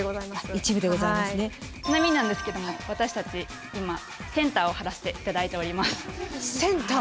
ちなみになんですけども私たち今センターをはらせて頂いております。